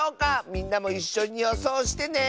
みんなもいっしょによそうしてね！